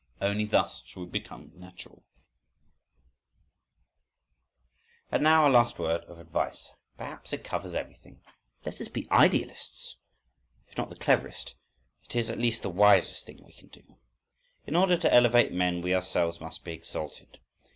Only thus, shall we become natural.… And now a last word of advice. Perhaps it covers everything—Let us be idealists!—If not the cleverest, it is at least the wisest thing we can do. In order to elevate men we ourselves must be exalted.